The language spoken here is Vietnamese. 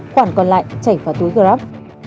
khoản còn lại chảy vào túi grab